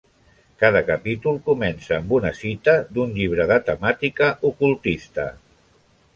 Cada capítol comença amb una cita d'un llibre de temàtica ocultista.